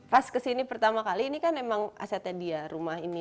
pas kesini pertama kali ini kan emang asetnya dia rumah ini